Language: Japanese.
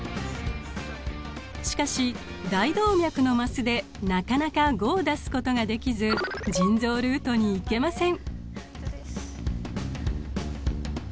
しかし「大動脈」のマスでなかなか５を出すことができず腎臓ルートに行けません。